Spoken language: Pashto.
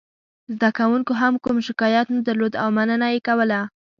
زده کوونکو هم کوم شکایت نه درلود او مننه یې کوله.